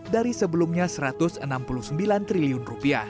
dari sebelumnya rp satu ratus enam puluh sembilan triliun